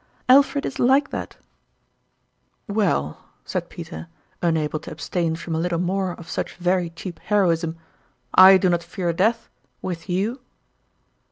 Alfred is like that !"" Well," said Peter, unable to abstain from a little more of such very cheap heroism, " I do not fear death with you